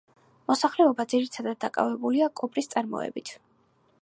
მოსახლეობა ძირითადად დაკავებულია კოპრის წარმოებით.